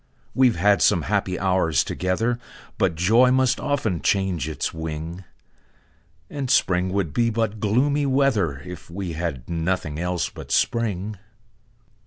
We've had some happy hours together, But joy must often change its wing; And spring would be but gloomy weather, If we had nothing else but spring.